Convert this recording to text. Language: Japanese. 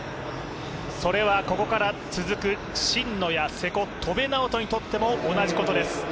それはここから続く真野や瀬古、戸邉直人にとっても同じことです。